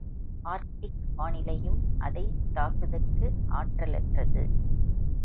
Arctic வானிலையும் அதைத் தாக்குதற்கு ஆற்றலற்றது.